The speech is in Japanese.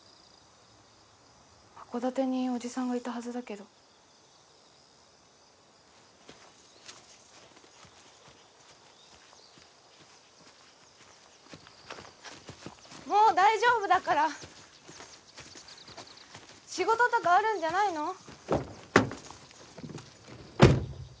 函館に伯父さんがいたはずだけどもう大丈夫だから仕事とかあるんじゃないの？